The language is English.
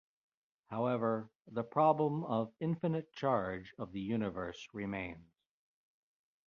However, the problem of infinite charge of the universe remains.